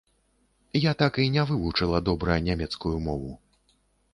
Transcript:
Я так і не вывучыла добра нямецкую мову.